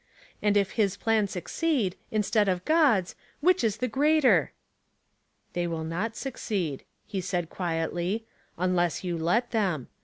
And if his plans succeed, in stead of God's, which is the greater? "'' They will not succeed," he said, quietly, " un less you let them.